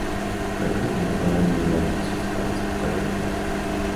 Fue cofundadora y miembro de la Sociedad de Escritores del Paraguay.